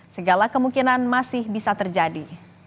segala kemungkinan masih bisa terjadi